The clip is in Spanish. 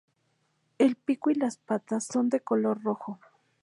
El pico y las patas son de color rojo.